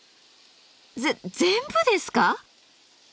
ぜ全部ですか？